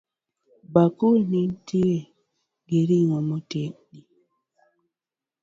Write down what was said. Bakul ni nitie gi ring'o motedi